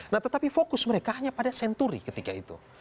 nah tetapi fokus mereka hanya pada senturi ketika itu